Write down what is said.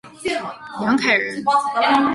杨凯人。